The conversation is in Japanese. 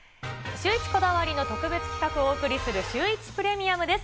シューイチこだわりの特別企画をお送りするシューイチプレミアムです。